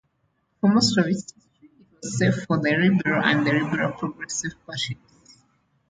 For most of its history, it was safe for the Liberal and Liberal-Progressive parties.